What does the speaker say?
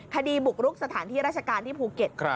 คดีบุกรุกสถานที่ราชการที่ภูเก็ต